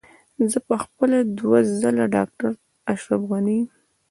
زه په خپله دوه ځله ډاکټر اشرف غني.